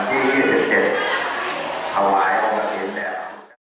การพุทธศักดาลัยเป็นภูมิหลายการพุทธศักดาลัยเป็นภูมิหลาย